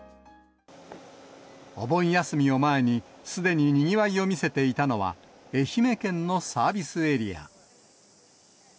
お盆休みを前に、すでににぎわいを見せていたのは、愛媛県のサービスエリア。